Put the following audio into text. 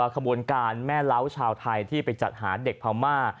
ขบวนการแม่เล้าชาวไทยที่ไปจัดหาเด็กพม่า